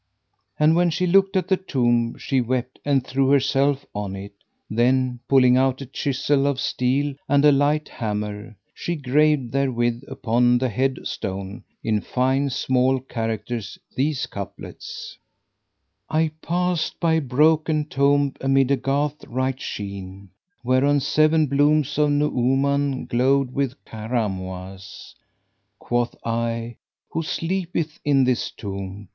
And when she looked at the tomb, she wept and threw herself on it; then, pulling out a chisel of steel and a light hammer, she graved therewith upon the head stone in fine small characters these couplets, "I past by a broken tomb amid a garth right sheen, * Whereon seven blooms of Nu'uman[FN#521] glowed with cramoisie; Quoth I, 'Who sleepeth in this tomb?'